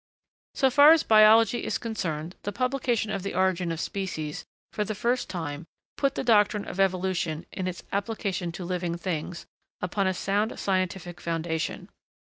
So far as biology is concerned, the publication of the 'Origin of Species,' for the first time, put the doctrine of evolution, in its application to living things, upon a sound scientific foundation.